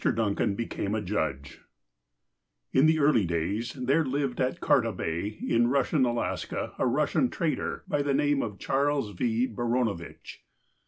DUNCAN BECAME A JUDGE IN the early days there lived at Karta Bay, iu Eus sian Alaska, a Eussian trader, by the name of Charles V. Barauovitch.